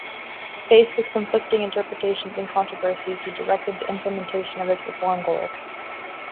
Faced with conflicting interpretations and controversies, he directed the implementation of its reform goals.